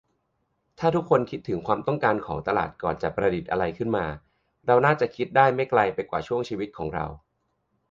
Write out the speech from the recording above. ถ้าทุกคนคิดถึงความต้องการของตลาดก่อนจะประดิษฐ์อะไรขึ้นมา เราน่าจะคิดได้ไม่ไกลไปกว่าช่วงชีวิตของเรา